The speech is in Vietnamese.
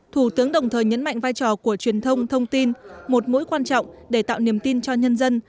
thủ tướng đồng thời nhấn mạnh vai trò của truyền thông thông tin một mũi quan trọng để tạo niềm tin cho nhân dân